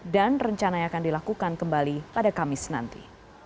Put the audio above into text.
dan rencana yang akan dilakukan kembali pada kamis nanti